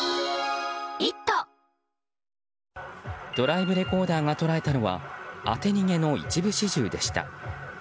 ドライブレコーダーが捉えたのは当て逃げの一部始終でした。